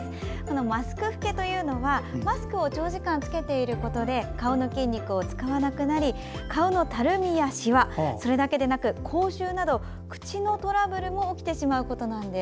マスク老けというのはマスクを長時間着けていることで顔の筋肉を使わなくなり顔のたるみやシワそれだけでなく口臭などの口のトラブルが起きてしまうことです。